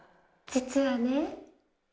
実はね。